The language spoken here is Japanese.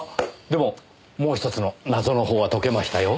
でももう１つの謎の方は解けましたよ。